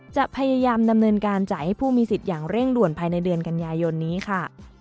จะพยายามดำเนินการจ่ายให้ผู้มีสิทธิ์อย่างเร่งด่วนภายในเดือนกันยายนนี้ค่ะ